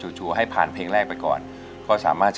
อ่ะความสะดวกของเรามัยดูกันนะครับ